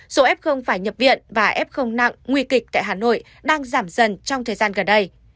số f phải nhập viện và f nặng nguy kịch tại hà nội đang giảm dần trong thời gian gần đây